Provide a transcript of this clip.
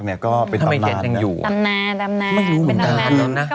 ทำไมเห็นตำนานตำนาน